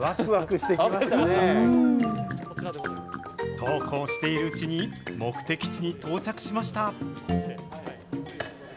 そうこうしているうちに、目的地に到着しました。